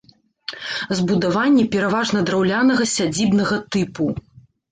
Збудаванні пераважна драўлянага сядзібнага тыпу.